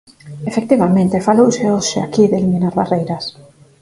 Efectivamente, falouse hoxe aquí de eliminar barreiras.